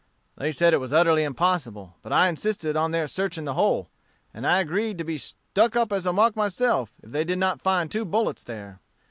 They said it was utterly impossible, but I insisted on their searching the hole, and I agreed to be stuck up as a mark myself, if they did not find two bullets there.